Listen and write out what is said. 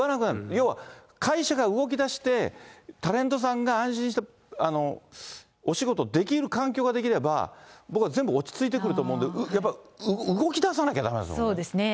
要は会社が動きだして、タレントさんが安心してお仕事できる環境ができれば、僕は全部落ち着いてくると思うんで、そうですね。